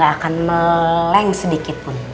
gue gak akan meleng sedikitpun